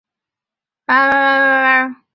物种曾经都归入孔弄蝶属。